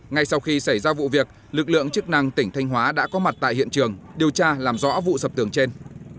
ngay sau khi xảy ra vụ việc lực lượng chức năng tỉnh thanh hóa đã có mặt tại hiện trường điều tra làm rõ vụ sập tường trên